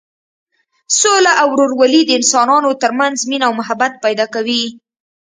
سوله او ورورولي د انسانانو تر منځ مینه او محبت پیدا کوي.